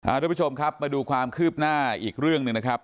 ทุกผู้ชมครับมาดูความคืบหน้าอีกเรื่องหนึ่งนะครับ